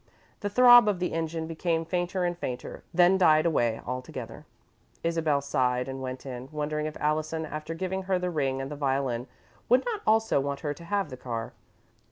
The throb of the engine became fainter and fainter, then died away altogether. Isabel sighed and went in, wondering if Allison, after giving her the ring and the violin, would not also want her to have the car.